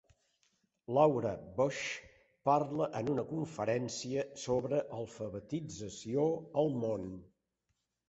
Laura Bush parla en una conferència sobre alfabetització al món.